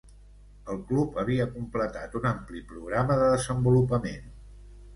El club havia completat un ampli programa de desenvolupament.